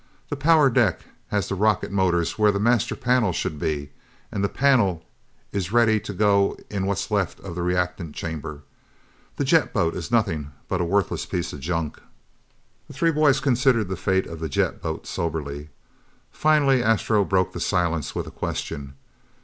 The power deck has the rocket motors where the master panel should be and the panel is ready to go into what's left of the reactant chamber. The jet boat is nothing but a worthless piece of junk!" The three boys considered the fate of the jet boat soberly. Finally Astro broke the silence with a question.